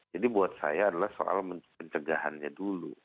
jadi buat saya adalah soal pencegahannya dulu